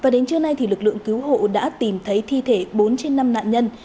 đến trưa nay lực lượng cứu hộ đã tìm thấy thi thể bốn trên năm nạn nhân